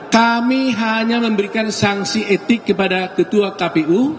kami hanya memberikan sanksi etik kepada ketua kpu